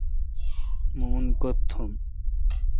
مہ ان کوتھ تھم۔